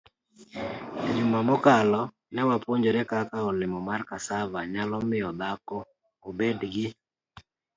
E juma mokalo, ne wapuonjore kaka olemo mar cassava nyalo miyo dhako obed gi